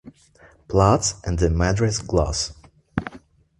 Platts and the Madras Gloss.